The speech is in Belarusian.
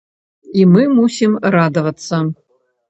І мы мусім радавацца!